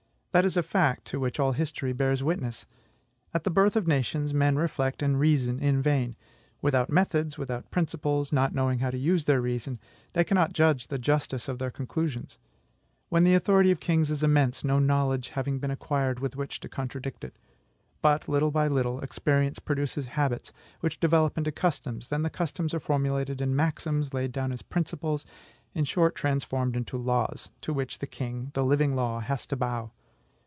That is a fact to which all history bears witness. At the birth of nations, men reflect and reason in vain. Without methods, without principles, not knowing how to use their reason, they cannot judge of the justice of their conclusions. Then the authority of kings is immense, no knowledge having been acquired with which to contradict it. But, little by little, experience produces habits, which develop into customs; then the customs are formulated in maxims, laid down as principles, in short, transformed into laws, to which the king, the living law, has to bow.